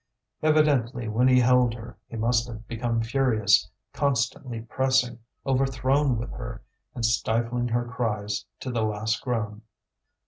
Evidently, when he held her, he must have become furious, constantly pressing, overthrown with her, and stifling her cries to the last groan.